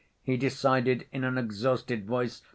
he decided, in an exhausted voice.